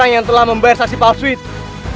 yang telah membayar saksi palsu itu